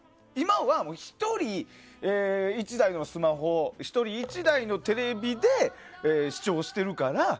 今はもう１人１台のスマホ、１人１台のテレビで視聴してるから。